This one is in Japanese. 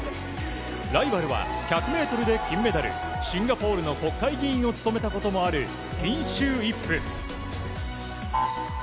ライバルは１００ｍで金メダルシンガポールの国会議員を務めたこともあるピンシュー・イップ。